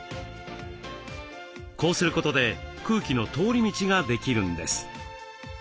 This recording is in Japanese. こうすることで空気の通り道ができるんです。